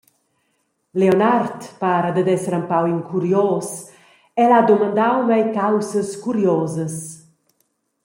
Leonard para dad esser empau in curios, el ha dumandau mei caussas curiosas.